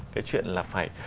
cái chuyện là phải